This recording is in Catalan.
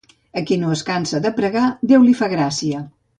A qui no es cansa de pregar, Déu li fa gràcia.